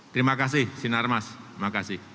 terima kasih sinarmas terima kasih